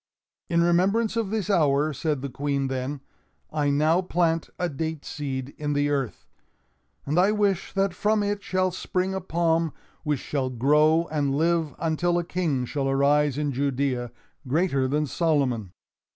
"In remembrance of this hour," said the Queen then, "I now plant a date seed in the earth, and I wish that from it shall spring a palm which shall grow and live until a King shall arise in Judea, greater than Solomon."